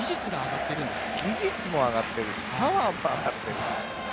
技術も上がってるし、パワーも上がってるし。